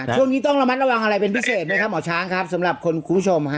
ช่วงนี้ต้องระมัดระวังอะไรเป็นพิเศษไหมครับหมอช้างครับสำหรับคนคุณผู้ชมฮะ